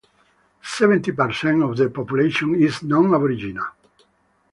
Seventy percent of the population is non-aboriginal.